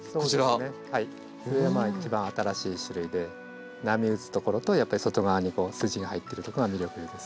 それが一番新しい種類で波打つところとやっぱり外側に筋が入っているとこが魅力です。